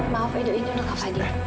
maaf edo ini untuk kak fadil